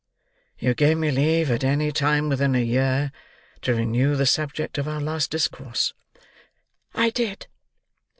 You gave me leave, at any time within a year, to renew the subject of our last discourse." "I did."